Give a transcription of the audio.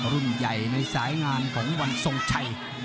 รุ่นใหญ่ในสายงานของวันทรงชัย